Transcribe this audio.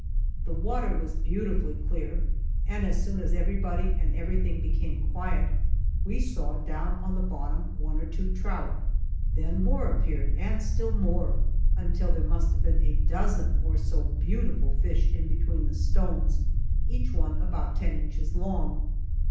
The water was beautifully clear and as soon as everybody and everything became quiet, we saw down on the bottom one or two trout, then more appeared, and still more, until there must have been a dozen or so beautiful fish in between the stones, each one about ten inches long.